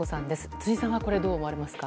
辻さんはどう思われますか。